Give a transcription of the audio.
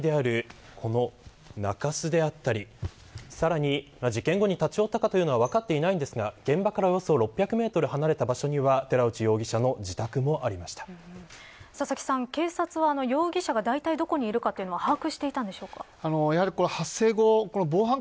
勤務先であるこの中洲であったりさらに事件後に立ち寄ったというのは分かっていませんが現場からおよそ６００メートル離れた場所には、寺内容疑者の佐々木さん、警察は容疑者がだいたいどこにいるかは把握していたんでしょうか。